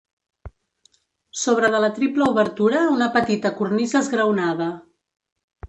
Sobre de la triple obertura una petita cornisa esgraonada.